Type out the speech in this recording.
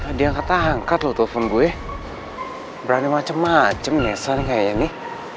tadi yang kata angkat loh telfon gue berani macem macem nyesel kayaknya nih